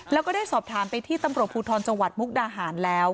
แล้วก็ได้สอบถามไปที่ตำรวจภูทรจังหวัดมุกดาหารแล้ว